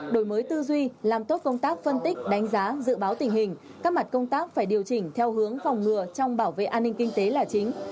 đổi mới tư duy làm tốt công tác phân tích đánh giá dự báo tình hình các mặt công tác phải điều chỉnh theo hướng phòng ngừa trong bảo vệ an ninh kinh tế là chính